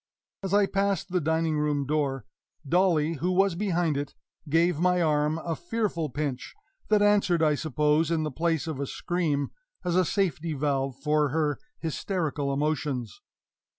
As I passed the dining room door, Dolly, who was behind it, gave my arm a fearful pinch that answered, I suppose, in the place of a scream, as a safety valve for her hysterical emotions.